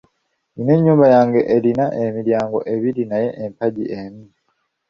Nnina ennyumba yange erina emiryango ebiri naye empagi emu.